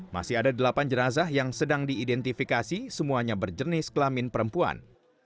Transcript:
masih ada delapan jenazah yang sedang diidentifikasi semuanya berjenis kelamin perempuan